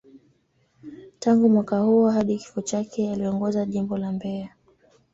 Tangu mwaka huo hadi kifo chake, aliongoza Jimbo la Mbeya.